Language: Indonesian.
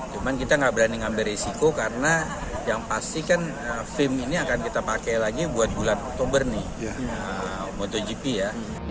cuman kita nggak berani ngambil risiko karena yang pasti kan fim ini akan kita pakai lagi buat bulan oktober nih motogp ya